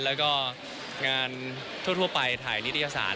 และงานทั่วไปถ่ายนิทยาศาล